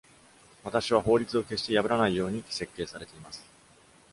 私は、法律を決して破らないように設計されています。